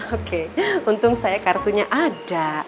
oke untung saya kartunya ada